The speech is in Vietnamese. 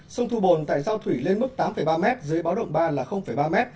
sông thu bồn tại giao thủy lên mức tám ba m dưới báo động ba là ba m